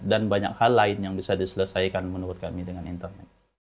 dan banyak hal lain yang bisa diselesaikan menurut kami dengan internet